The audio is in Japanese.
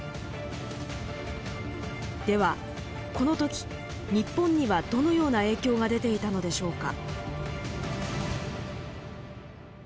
ではこの時日本にはどのような影響が出ていたのでしょうか。